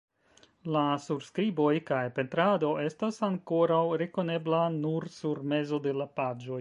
La surskriboj kaj pentrado estas ankoraŭ rekonebla nur sur mezo de la paĝoj.